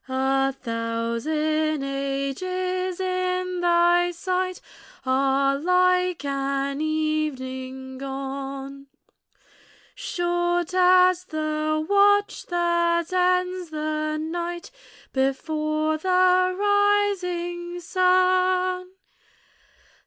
A thousand ages in thy sight Are like an evening gone; Short as the watch that ends the night Before the rising sun.